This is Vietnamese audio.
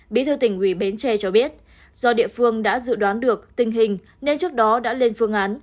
bí thư tỉnh ủy bến tre cho biết do địa phương đã dự đoán được tình hình nên trước đó đã lên phương án